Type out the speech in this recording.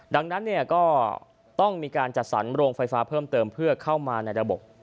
ดังนั้นก็ต้องมีการจัดสรรโรงไฟฟ้าเพิ่มเติมเพื่อเข้ามาในระบบ